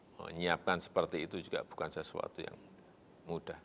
menyiapkan seperti itu juga bukan sesuatu yang mudah